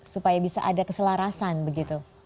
supaya bisa ada keselarasan begitu